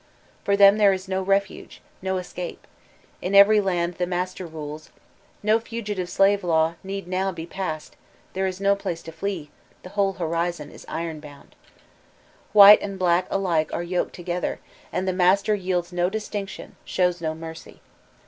For then there is no refuge, no escape ; in every land the Master rules; no fugitive slave law need now be passed — dicre is no place to flee — the whole horizon is iron4Kmnd White and black alike are yoked together, and the yields no distinction, shows no mercy.